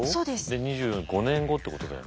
で２４５年後ってことだよね。